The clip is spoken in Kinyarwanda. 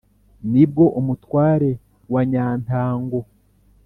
Ni bwo Umutware wa Nyantango